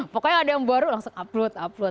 pokoknya ada yang baru langsung upload upload